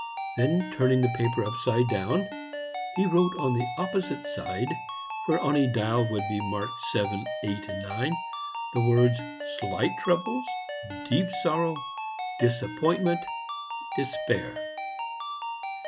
Then, turning the paper upside down, he wrote on the opposite side, where on a dial would be marked VII, VIII, IX, the words Slight Troubles Deep Sorrow, Disappointment Despair.